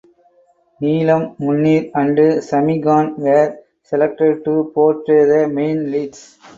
Neelam Muneer and Sami Khan were selected to portray the main leads.